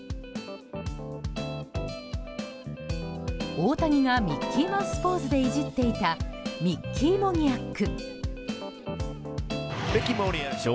大谷がミッキーマウスポーズでいじっていたミッキー・モニアック。